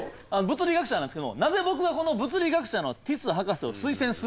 物理学者なんですけどもなぜ僕がこの物理学者のティス博士を推薦するのか。